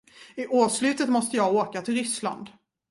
I årsslutet måste jag åka till Ryssland.